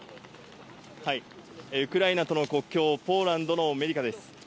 ウクライナとの国境、ポーランドのメディカです。